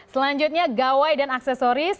selanjutnya gawai dan aksesoris